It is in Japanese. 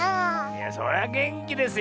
いやそりゃげんきですよ。